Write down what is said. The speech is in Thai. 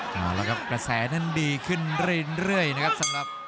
แล้วก็กระแสนั่นดีขึ้นเรื่อยนะครับสำหรับ